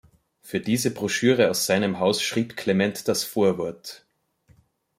Für diese Broschüre aus seinem Haus schrieb Clement das Vorwort.